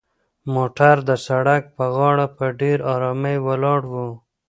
موټر د سړک په غاړه په ډېرې ارامۍ ولاړ و.